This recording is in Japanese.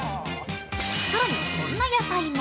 更に、こんな野菜も。